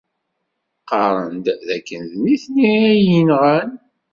Qarren-d dakken d nitni ay yenɣan.